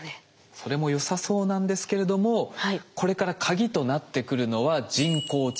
それもよさそうなんですけれどもこれから鍵となってくるのは人工知能ＡＩなんです。